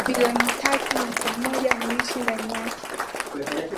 Watu bilioni tatu nukta moja huishi ndani yake